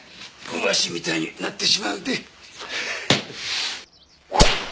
わしみたいになってしまうで。